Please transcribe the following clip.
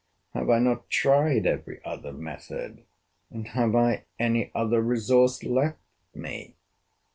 Have I not tried every other method? And have I any other resource left me?